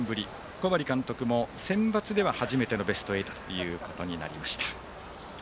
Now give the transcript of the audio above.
小針監督もセンバツでは初めてのベスト８となりました。